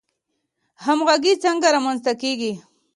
همغږي څنګه رامنځته کیږي؟